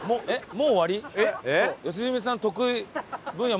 もう終わり？